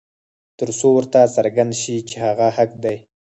تر څو ورته څرګنده شي چې هغه حق دى.